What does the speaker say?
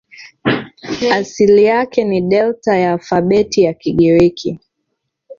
Asili yake ni Delta ya alfabeti ya Kigiriki.